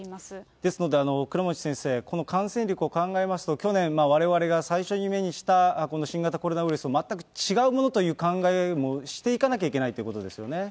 ですので、倉持先生、この感染力を考えますと、去年、われわれが最初に目にしたこの新型コロナウイルスと全く違うものという考えもしていかなきゃいけないということですよね。